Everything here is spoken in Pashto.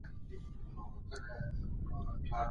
وزیرانو به رسمي غونډي سمبالولې.